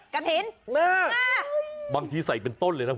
กระถิ่นบางทีใส่เป็นต้นเลยนะคุณ